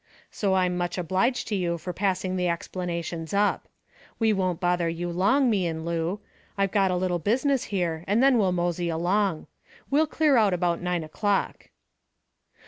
So I'm much obliged to you for passing the explanations up. We won't bother you long, me and Lou. I got a little business here, and then we'll mosey along. We'll clear out about nine o'clock."